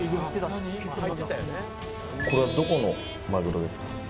これはどこのまぐろですか？